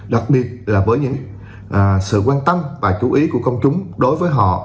đặc biệt là với những sự quan tâm và chú ý của công chúng đối với họ